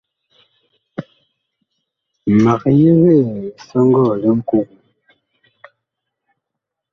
Mag yegee lisɔŋgɔɔ li Ŋkogo.